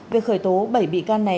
việc khởi tố bảy bị can này